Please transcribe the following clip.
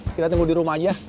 kita tunggu di rumah aja